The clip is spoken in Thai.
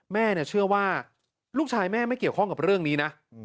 แม่เชื่อว่าลูกชายแม่ไม่เกี่ยวข้องกับเรื่องนี้นะ